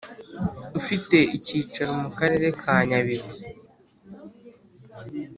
ufite icyicaro mu Karere ka nyabihu